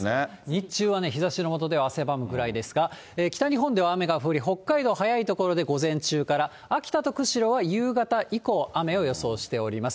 日中は日ざしの下では汗ばむぐらいですが、北日本では雨が降り、北海道、早い所で午前中から、秋田と釧路は夕方以降、雨を予想しております。